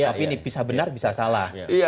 opini bisa benar bisa salah